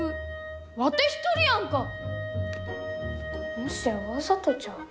もしやわざとちゃうか？